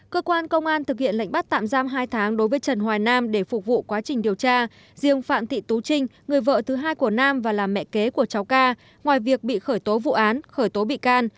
cơ quan công an thực hiện lệnh bắt tạm giam hai tháng đối với trần hoài nam để phục vụ quá trình điều tra riêng phạm thị tú trinh người vợ thứ hai của nam và là mẹ kế của cháu ca ngoài việc bị khởi tố vụ án khởi tố bị can